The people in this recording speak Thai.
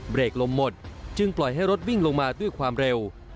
เบรกลมหมดจึงปล่อยให้รถวิ่งลงมาด้วยความเร็ว